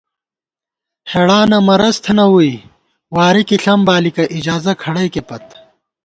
ہېڑانہ مرَض تھنہ ووئی، واری کی ݪم بالِکہ ، اجازہ کھڑَئیکےپت